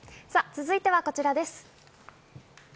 続いてはこちらです。